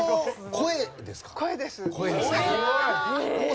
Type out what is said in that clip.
声ですね。